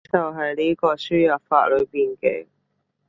就係呢個輸入法裏面嘅